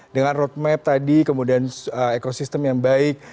dengan roadmap tadi kemudian ekosistem yang baik